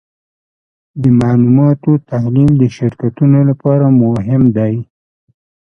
د معلوماتو تحلیل د شرکتونو لپاره مهم دی.